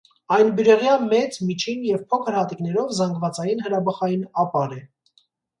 Այն բյուրեղյա մեծ, միջին և փոքր հատիկներով զանգվածային հրաբխային ապար է։